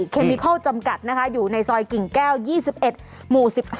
เคมิเคิลจำกัดนะคะอยู่ในซอยกิ่งแก้ว๒๑หมู่๑๕